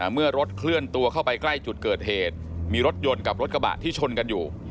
เมื่อรถเคลื่อนตัวเข้าไปใกล้จุดเกิดเหตุมีรถยนต์กับรถกระบะที่ชนกันอยู่